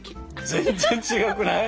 全然違うくない？